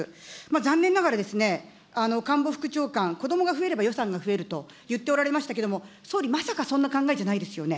残念ながら、官房副長官、子どもが増えれば予算が増えると言っておられましたけど、総理、まさかそんなお考えではないですよね。